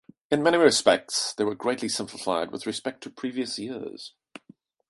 In many respects, they were greatly simplified with respect to previous years.